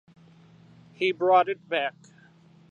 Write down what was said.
He bought it back.